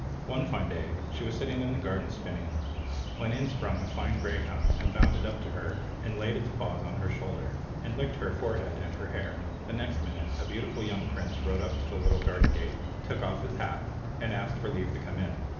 One fine day she was sitting in the garden spinning, when in sprung a fine greyhound and bounded up to her, and laid his paws on her shoulder, and licked her forehead and her hair. The next minute a beautiful young prince rode up to the little garden gate, took off his hat, and asked for leave to come in.